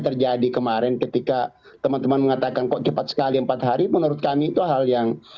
terjadi kemarin ketika teman teman mengatakan kok cepat sekali empat hari menurut kami itu hal yang